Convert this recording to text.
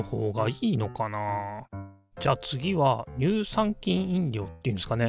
じゃあ次は乳酸菌飲料っていうんですかね。